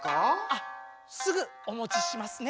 あっすぐおもちしますね。